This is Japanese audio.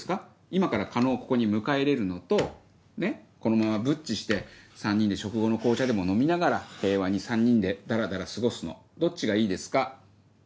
今から狩野をここに迎え入れるのとこのままブッチして３人で食後の紅茶でも飲みながら平和に３人でダラダラ過ごすのどっちがいいですか？